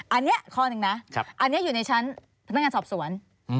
อันนี้ข้อหนึ่งนะอันนี้อยู่ในชั้นพนักงานสอบสวน